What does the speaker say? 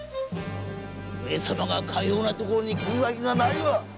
上様がかような所に来るわけがないわ！